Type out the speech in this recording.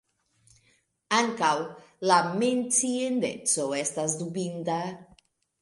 Ankaŭ, la menciindeco estas dubinda.